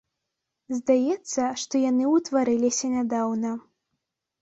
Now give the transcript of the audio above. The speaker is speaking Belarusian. Здаецца, што яны ўтварыліся нядаўна.